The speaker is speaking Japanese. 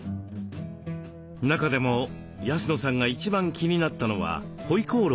中でも安野さんが一番気になったのはホイコーローの器。